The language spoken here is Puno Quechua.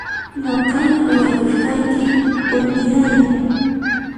Nuqaña uywakusqayki urpillay!